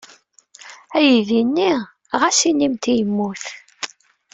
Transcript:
Aydi-nni ɣas inimt yemmut.